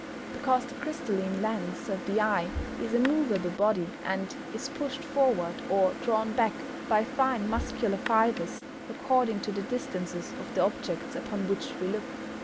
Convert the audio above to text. _ Because the crystalline lens of the eye is a moveable body, and is pushed forward, or drawn back by fine muscular fibres, according to the distances of the objects upon which we look.